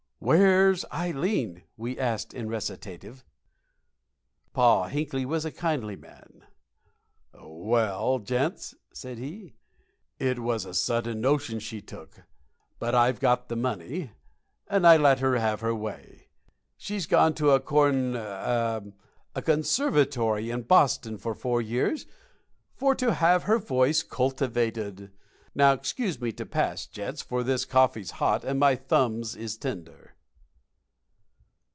"Where's Ileen?" we asked, in recitative. Pa Hinkle was a kindly man. "Well, gents," said he, "it was a sudden notion she took; but I've got the money, and I let her have her way. She's gone to a corn a conservatory in Boston for four years for to have her voice cultivated. Now, excuse me to pass, gents, for this coffee's hot, and my thumbs is tender."